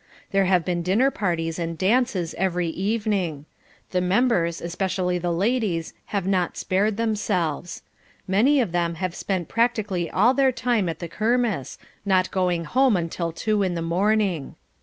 There have been dinner parties and dances every evening. The members, especially the ladies, have not spared themselves. Many of them have spent practically all their time at the Kermesse, not getting home until two in the morning.